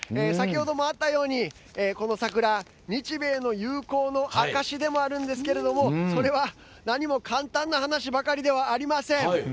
先ほどもあったようにこの桜、日米の友好の証しでもあるんですけれどもそれは何も簡単な話ばかりではありません。